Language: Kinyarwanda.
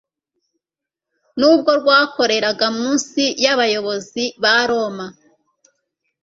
Nubwo rwakoreraga munsi y’Abayobozi ba Roma,